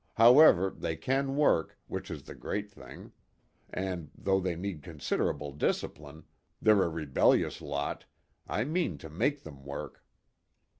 However, they can work, which is the great thing, and though they need considerable discipline they're a rebellious lot I mean to make them work."